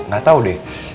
gak tau deh